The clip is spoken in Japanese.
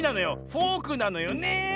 フォークなのよねえ。